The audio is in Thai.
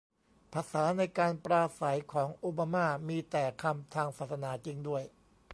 ภาษาในการปราศรัยของโอบาม่า มีแต่คำทางศาสนาจริงด้วย